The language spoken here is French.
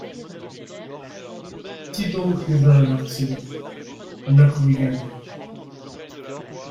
Qui donc les a avertis ? LA KORIGANE.